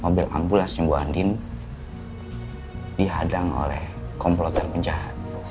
mobil ambulansnya ibu andin dihadang oleh komplotan penjahat